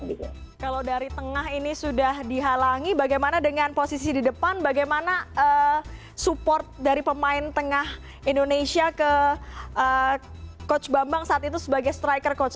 kalau dari tengah ini sudah dihalangi bagaimana dengan posisi di depan bagaimana support dari pemain tengah indonesia ke coach bambang saat itu sebagai striker coach